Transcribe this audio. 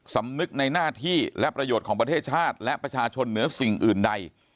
สำนึกในหน้าที่และประโยชน์ของประเทศชาติและประชาชนเหนือสิ่งอื่นใด